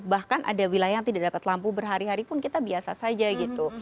bahkan ada wilayah yang tidak dapat lampu berhari hari pun kita biasa saja gitu